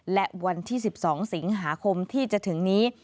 และวันที่๑๒สิงหาคมที่จะถึงนี้